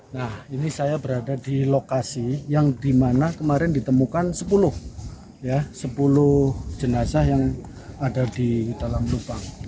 nah ini saya berada di lokasi yang dimana kemarin ditemukan sepuluh jenazah yang ada di dalam lubang